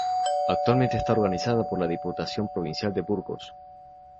Actualmente está organizada por la Diputación Provincial de Burgos.